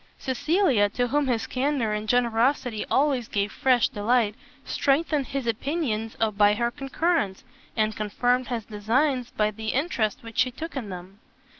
Cecilia, to whom his candour and generosity always gave fresh delight, strengthened his opinions by her concurrence, and confirmed his designs by the interest which she took in them.